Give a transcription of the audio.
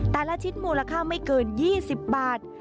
แต่ละชิ้นมูลค่าไม่เกิน๒๐บาท